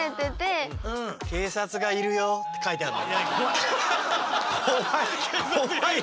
「警察がいるよ」って描いてあんの？